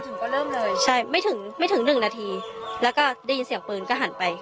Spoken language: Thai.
ถึงก็เริ่มเลยใช่ไม่ถึงไม่ถึงหนึ่งนาทีแล้วก็ได้ยินเสียงปืนก็หันไป